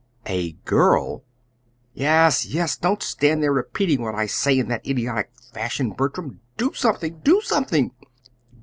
"A GIRL!" "Yes, yes! Don't stand there repeating what I say in that idiotic fashion, Bertram. Do something do something!"